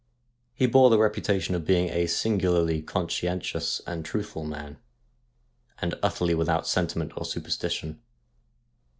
He bore the reputation of being a singularly conscientious and truthful man, and utterly without sentiment or superstition.